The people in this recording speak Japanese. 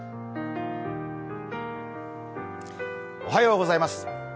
おはようございます。